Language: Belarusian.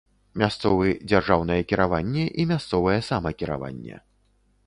Мясцовы дзяржаўнае кіраванне і мясцовае самакіраванне.